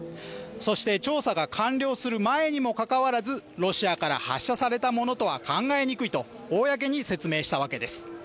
そして調査が完了する前にもかかわらずロシアから発射されたものとは考えにくいと公に説明したわけです。